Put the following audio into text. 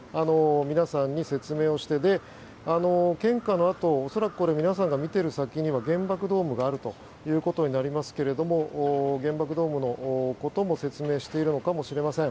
皆さんに説明をして、献花のあと皆さんが見ている先には原爆ドームがあるということになりますが原爆ドームのことも説明しているのかもしれません。